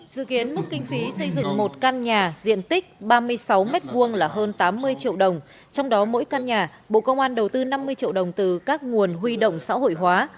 dự kiến mức kinh phí xây dựng một căn nhà diện tích ba mươi sáu m hai là hơn tám mươi triệu đồng trong đó mỗi căn nhà bộ công an đầu tư năm mươi triệu đồng từ các nguồn huy động xã hội hóa